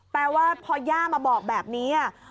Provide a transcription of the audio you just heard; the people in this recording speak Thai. แปลว่าพอย่ามาบอกแบบนี้